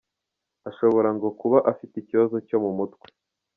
Ashobora ngo kuba afite ikibazo cyo mu mutwe.